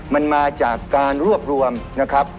มันมาจากการรวบรวมนะครับ